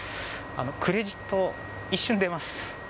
クレジット、一瞬出ます。